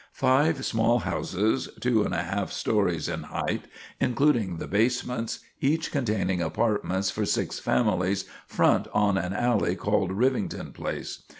"Five small houses, two and a half stories in height, including the basements, each containing apartments for six families, front on an alley called Rivington Place.